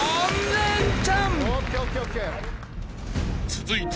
［続いて］